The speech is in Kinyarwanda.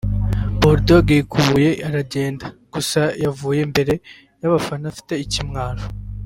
Bull Dogg yikubuye aragenda gusa yavuye imbere y’abafana afite ikimwaro